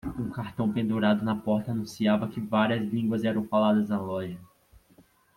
Um cartão pendurado na porta anunciava que várias línguas eram faladas na loja.